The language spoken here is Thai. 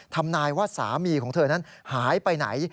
ทำนายว่าสามีของเธอนั้นหายไปไหน